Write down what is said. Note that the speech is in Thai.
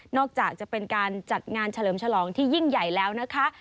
อกจากจะเป็นการจัดงานเฉลิมฉลองที่ยิ่งใหญ่แล้วนะคะ